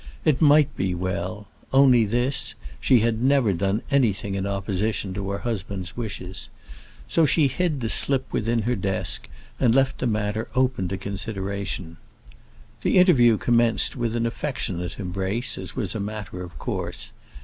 It might be well: only this she had never yet done anything in opposition to her husband's wishes. So she hid the slip within her desk, and left the matter open to consideration. The interview commenced with an affectionate embrace, as was a matter of course.